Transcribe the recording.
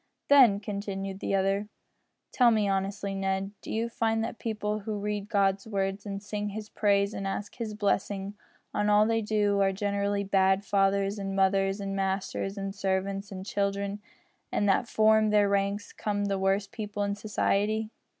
"Then," continued the other, "tell me, honestly, Ned, do you find that people who read God's Word and sing His praise and ask His blessing on all they do, are generally bad fathers, and mothers, and masters, and servants, and children, and that from their ranks come the worst people in society?"